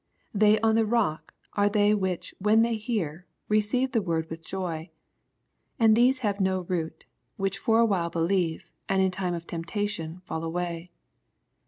18 They on the rock ar9 they, which when they hear, receive the word with joy : and these have no root, which for a wnile believe, and in time of temp tation ftll away.